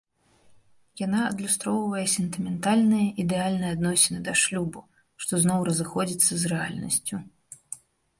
Яна адлюстроўвае сентыментальныя, ідэальныя адносіны да шлюбу, што зноў разыходзіцца з рэальнасцю.